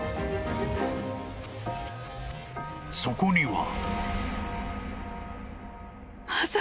［そこには］